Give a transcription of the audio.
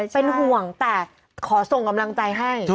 เป็นห่วงแต่ขอส่งกำลังใจให้